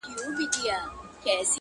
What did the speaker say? خير دی! زه داسي یم! چي داسي نه وم!